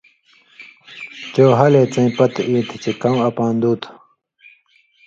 چو ہلے څَیں پتہۡ اے تھی چے کؤں اپان٘دُو (گمراہ) تھُو۔